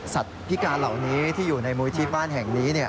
พิการเหล่านี้ที่อยู่ในมุยที่บ้านแห่งนี้